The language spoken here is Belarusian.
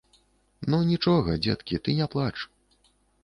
Ну, нічога, дзеткі, ты не плач.